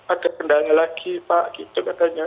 ada kendala lagi pak gitu katanya